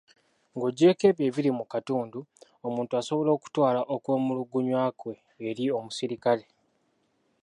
Ng'oggyeeko ebyo ebiri mu katundu , omuntu asobola okutwala okwemulugunya kwe eri omusirikale.